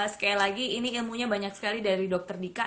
sekali lagi ini ilmunya banyak sekali dari dokter dika